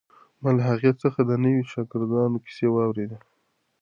ما له هغې څخه د نویو شاګردانو کیسې واورېدې.